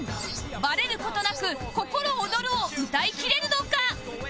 バレる事なく『ココロオドル』を歌いきれるのか？